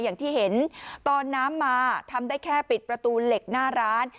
อย่างที่เห็นตอนน้ำมาทำได้แค่ปิดประตูเหล็กหน้าร้าน